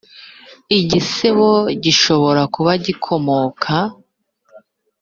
igisebo gishobora kuba gikomoka